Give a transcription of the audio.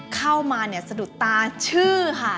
เข้ามาเนี่ยสะดุดตาชื่อค่ะ